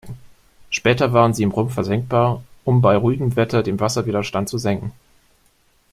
Später waren sie im Rumpf versenkbar, um bei ruhigem Wetter den Wasserwiderstand zu senken.